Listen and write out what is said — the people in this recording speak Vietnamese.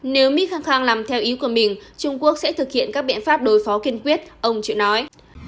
nếu mỹ khăng khăng làm theo ý của mình trung quốc sẽ thực hiện các biện pháp đối phó kiên quyết ông triệu nói